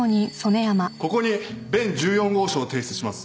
ここに弁１４号証を提出します。